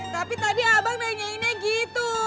tapi tadi abang nanyainnya gitu